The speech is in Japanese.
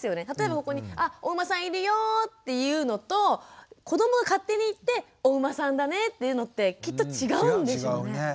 例えばそこに「あお馬さんいるよ」って言うのと子どもが勝手に行って「お馬さんだね」って言うのってきっと違うんでしょうね。